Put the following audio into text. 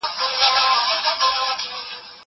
زه بايد کتابتون ته راشم!